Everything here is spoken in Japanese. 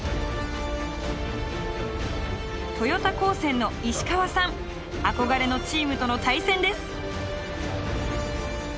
豊田高専の石川さん憧れのチームとの対戦です。